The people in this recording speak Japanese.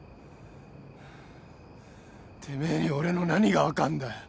てめえに俺の何が分かんだよ。